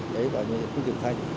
đấy gọi như là không chịu khách